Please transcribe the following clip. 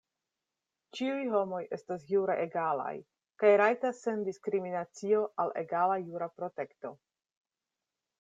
Ĉiuj homoj estas jure egalaj, kaj rajtas sen diskriminacio al egala jura protekto.